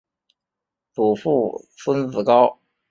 祖父孙子高。